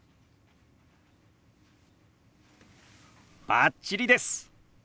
バッチリです！